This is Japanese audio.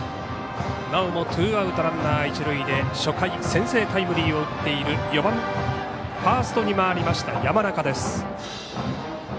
なおもツーアウトランナー、一塁で初回、先制タイムリーを打っている４番、ファーストに回った山中。